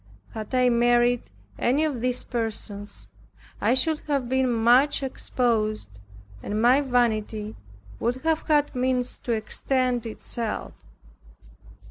Had I married any of these persons, I should have been much exposed, and my vanity would have had means to extend itself.